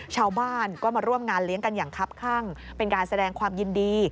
ชาวบ้านก็มาร่วมงานเลี้ยงกันอย่างคับข้างเป็นการแสดงความยินดี